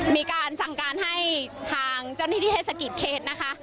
มีการสั่งการให้ทางเจ้านิดิเหศกิตเคสนะคะ